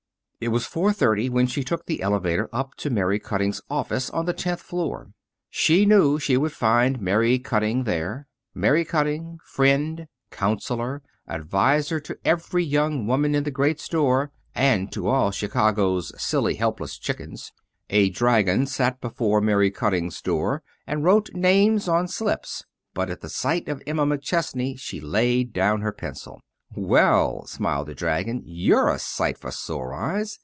It was four thirty when she took the elevator up to Mary Cutting's office on the tenth floor. She knew she would find Mary Cutting there Mary Cutting, friend, counselor, adviser to every young girl in the great store and to all Chicago's silly, helpless "chickens." A dragon sat before Mary Cutting's door and wrote names on slips. But at sight of Emma McChesney she laid down her pencil. "Well," smiled the dragon, "you're a sight for sore eyes.